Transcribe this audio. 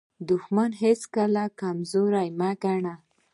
دښمن هیڅکله کمزوری مه ګڼئ.